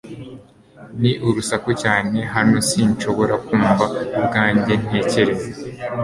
Ni urusaku cyane hano sinshobora kumva ubwanjye ntekereza